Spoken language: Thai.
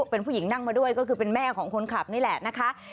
เป็นผู้หญิงนั่งมาด้วยก็คือเป็นแม่ของคนขับนี่แหละนะคะ